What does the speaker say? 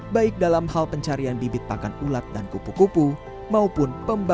sekarang watu seri plato ini ini banyak banyak salahnya